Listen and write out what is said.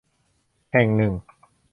แห่งหนึ่ง